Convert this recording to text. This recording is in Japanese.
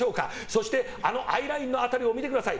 そしてあのアイラインの辺りを見てください。